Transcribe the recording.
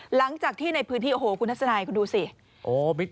หลังจากที่ในพื้นที่โอ้โหคุณทัศนัยคุณดูสิ